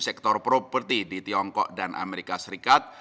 sektor properti di tiongkok dan amerika serikat